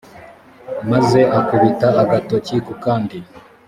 maze akubita agatoki ku kandi.